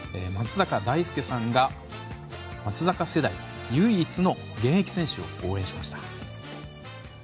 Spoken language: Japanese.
松坂大輔さんが松坂世代唯一の現役選手を応援しました。